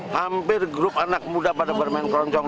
hampir grup anak muda pada bermain keroncong